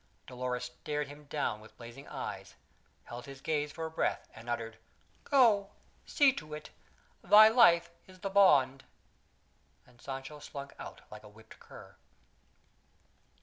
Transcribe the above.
Dolores stared him down with blazing eyes, held his gaze for a breath and uttered: "Go! See to it! Thy life is the bond!" and Sancho slunk out like a whipped cur.